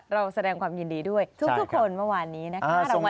เราแสดงความยินดีด้วยทุกคนเมื่อวานนี้นะคะ